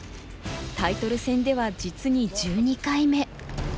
タイトル戦では実に１２回目。